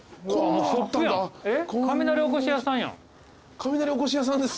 雷おこし屋さんです。